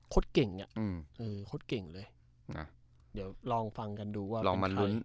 โคตรเก่ง